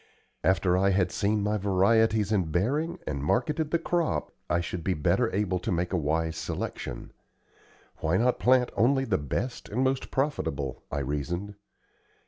After I had seen my varieties in bearing and marketed the crop, I should be better able to make a wise selection, "Why not plant only the best and most profitable?" I reasoned.